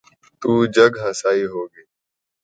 تو جگ ہنسائی ہو گی۔